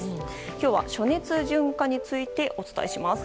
今日は暑熱順化についてお伝えします。